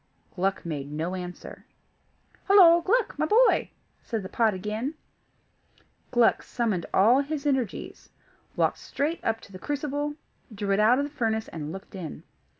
Gluck made no answer. "Hollo! Gluck, my boy," said the pot again. Gluck summoned all his energies, walked straight up to the crucible, drew it out of the furnace, and looked in.